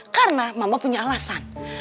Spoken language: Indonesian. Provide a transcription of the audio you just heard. karena mama punya alasan